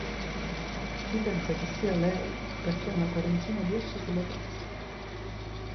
Si pensa che sia lei perché ha una "coroncina" di ossa sulla testa.